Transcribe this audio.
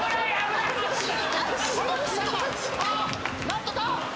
何とか。